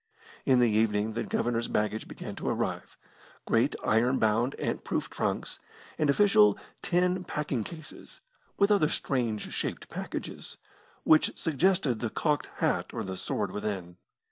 In the evening the Governor's baggage began to arrive great iron bound ant proof trunks, and official tin packing cases, with other strange shaped packages, which suggested the cocked hat or the sword within.